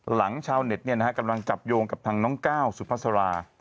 ชาวเน็ตกำลังจับโยงกับทางน้องก้าวสุภาษารา